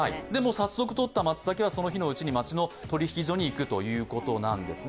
早速とった松茸は、その日のうちに町の取引所に行くということなんですね。